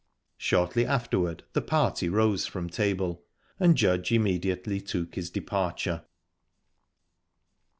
Shortly afterward the party rose from table, and Judge immediately took his departure.